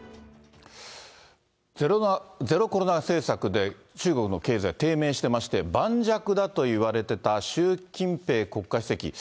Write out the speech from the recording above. ゼロコロナ政策で、中国の経済、低迷してまして、盤石だといわれてた習近平国家主席。